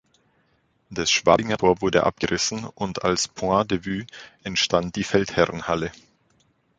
Das Schwabinger Tor wurde abgerissen, und als "Point de vue" entstand die Feldherrnhalle.